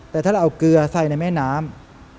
แต่ถ้าเราเอาเกลือใส่ในแม่น้ำ